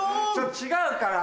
違うから。